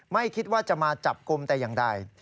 ไม่คิดว่าจะมาจับกลุ่มแต่อย่างใด